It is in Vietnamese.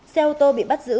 xe ô tô bị bắt giữ